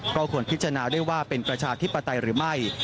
ก็ควรพิจารณาได้ว่าเป็นประชาธิปไตยหรือไม่